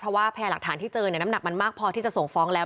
เพราะว่าพยายามหลักฐานที่เจอน้ำหนักมันมากพอที่จะส่งฟ้องแล้ว